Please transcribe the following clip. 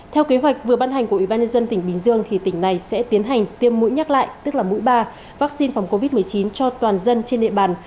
theo kế hoạch vừa ban hành của ủy ban nhân dân tỉnh bình dương thì tỉnh này sẽ tiến hành tiêm mũi nhắc lại tức là mũi ba vaccine phòng covid một mươi chín cho toàn dân trên địa bàn